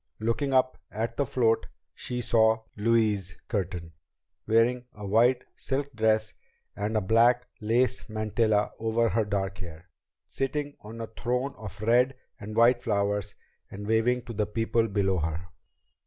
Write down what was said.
Looking up at the float, she saw Louise Curtin, wearing a white silk dress and a black lace mantilla over her dark hair, sitting on a throne of red and white flowers and waving to the people below her.